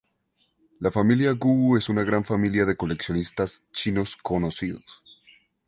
La familia Gu es una gran familia de coleccionistas chinos conocidos.